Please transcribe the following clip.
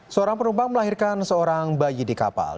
seorang penumpang melahirkan seorang bayi di kapal